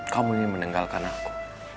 kamu ini meninggalkan aku